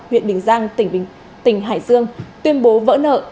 huyện bình giang tỉnh hải dương tuyên bố vỡ nợ